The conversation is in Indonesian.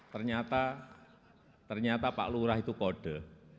ternyata pak lurah itu kode